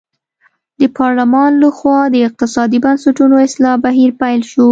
د پارلمان له خوا د اقتصادي بنسټونو اصلاح بهیر پیل شو.